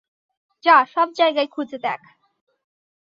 যা, সব জায়গায় খুঁজে দেখ।